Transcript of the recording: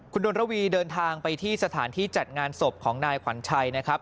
คุณดนระวีเดินทางไปที่สถานที่จัดงานศพของนายขวัญชัยนะครับ